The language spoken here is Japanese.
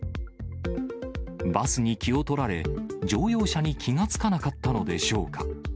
バスに気を取られ、乗用車に気が付かなかったのでしょうか。